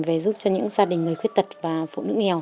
về giúp cho những gia đình người khuyết tật và phụ nữ nghèo